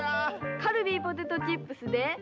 「カルビーポテトチップスで」